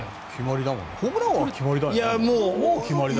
ホームラン王は決まりだよね？